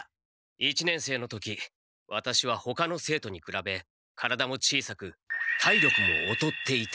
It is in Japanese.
一年生の時ワタシはほかの生徒にくらべ体も小さく体力もおとっていた。